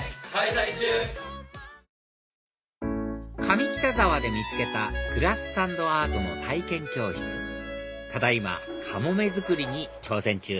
上北沢で見つけたグラスサンドアートの体験教室ただ今カモメ作りに挑戦中